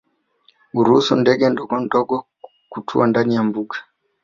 Huruhusu ndege ndogo kutua ndani ya mbuga